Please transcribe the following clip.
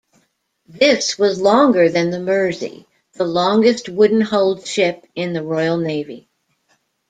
This was longer than the "Mersey", the longest wooden-hulled ship in the Royal Navy.